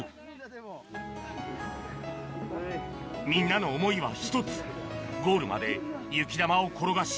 みんなの思いは１つゴールまで雪玉を転がし